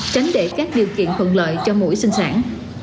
tránh để các điều kiện thuận lợi cho mũi sinh sản